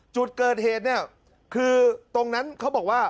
จุดเกิดเหตุเนี่ยคือตรงนั้นเขาบอกว่า